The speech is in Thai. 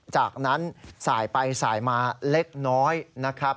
จากนั้นสายไปสายมาเล็กน้อยนะครับ